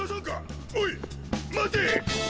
おい待て！